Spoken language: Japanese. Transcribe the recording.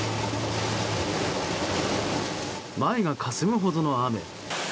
前がかすむほどの雨。